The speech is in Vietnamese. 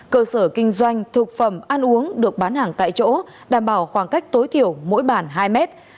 cơ sở kinh doanh thực phẩm ăn uống được bán hàng tại chỗ đảm bảo khoảng cách tối thiểu mỗi bản hai mét